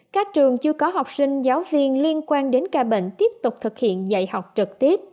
các trường chưa có học sinh giáo viên liên quan đến ca bệnh tiếp tục thực hiện dạy học trực tiếp